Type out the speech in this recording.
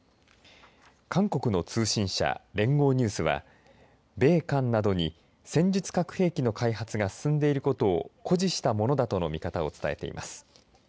韓国の通信社、連合ニュースは米韓などに戦術核兵器の開発が進んでいることを誇示したものだとの見方を伝えています。